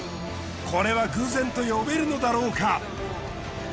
これは偶然と呼べるのだろうか？